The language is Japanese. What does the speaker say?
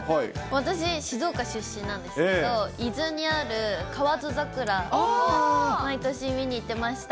私、静岡出身なんですけど、伊豆にある河津桜、毎年、見に行ってました。